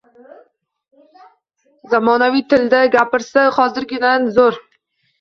Zamonaviy tilda gapirsa hozirgidan zo’r.